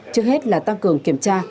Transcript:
trước hết là tăng cường kiểm tra